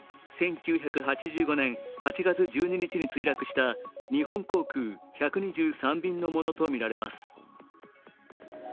１９８５年８月１２日に墜落した日本航空１２３便のものとみられます